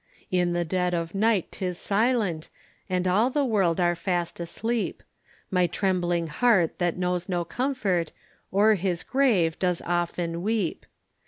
In the dead of the night 'tis silent, And all the world are fast asleep; My trembling heart that knows no comfort O'er his grave does often weep.